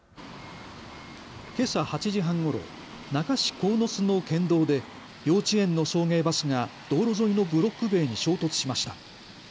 けさ８時半ごろ那珂市鴻巣の県道で幼稚園の送迎バスが道路沿いのブロック塀に衝突しました。